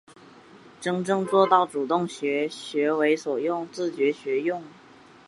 真正做到主动学、学为所用、自觉学用